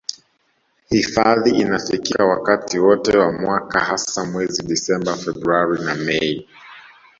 Hifadhi inafikika wakati wote wa mwaka hasa mwezi disemba februari na mei